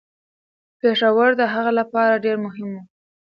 پېښور د هغه لپاره ډیر مهم و.